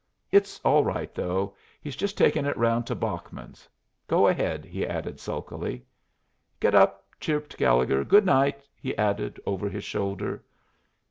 It's all right, though. He's just taking it round to Bachman's. Go ahead," he added, sulkily. "Get up!" chirped Gallegher. "Good night," he added, over his shoulder.